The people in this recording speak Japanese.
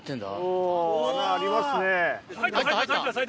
おぉ穴ありますね。